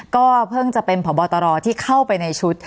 ก็เพิ่งจะเป็นพบตรที่เข้าไปในชุด